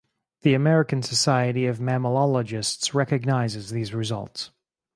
The American Society of Mammalogists recognizes these results.